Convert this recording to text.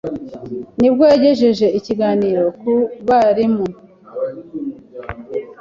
nibwo yagejeje ikiganiro ku barium